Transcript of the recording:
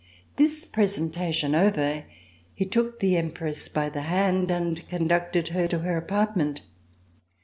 This presentation over, he took the Empress by the hand and conducted her to her apartment.